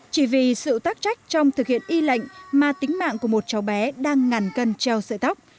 chỉ vì sự tác trách trong thực hiện y lệnh mà tính mạng của một cháu bé đang ngàn cân treo sợi tóc